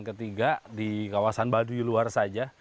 kampungan ke tiga di kawasan baduy luar saja